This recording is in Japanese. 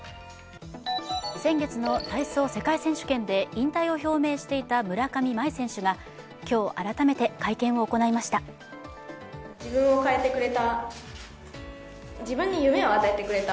先月の体操世界選手権で引退を表明していた村上茉愛選手が今日、改めて会見を行いました。